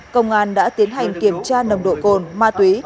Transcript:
công an đã tiến hành kiểm tra nồng độ cồn ma túy